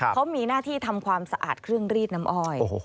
เขามีหน้าที่ทำความสะอาดเครื่องรีดน้ำอ้อย